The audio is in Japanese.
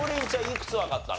いくつわかったの？